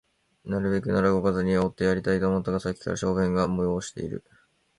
なるべくなら動かずにおってやりたいと思ったが、さっきから小便が催している